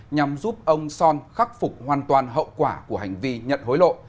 nhằm giúp ông son khắc phục hoàn toàn hậu quả của hành vi nhận hối lộ